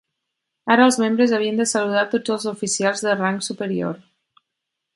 Ara els membres havien de saludar tots els oficials de rang superior.